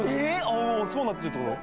おおーそうなってるってこと？